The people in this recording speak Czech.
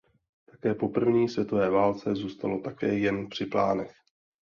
Také po první světové válce zůstalo také jen při plánech.